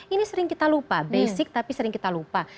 ini sering kita lupa basic tapi sering kita lupa